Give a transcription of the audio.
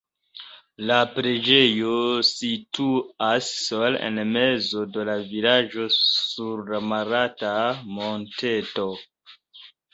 La preĝejo situas sola en mezo de la vilaĝo sur malalta monteto.